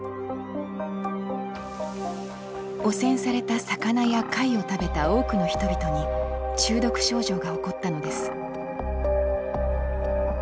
汚染された魚や貝を食べた多くの人々に中毒症状が起こったのです。